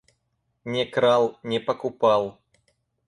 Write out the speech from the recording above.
Не крал, не покупал.